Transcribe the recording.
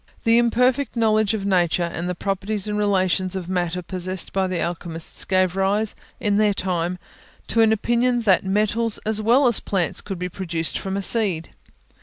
The imperfect knowledge of Nature and the properties and relations of matter possessed by the alchemists gave rise, in their time, to an opinion that metals as well as plants could be produced from a seed.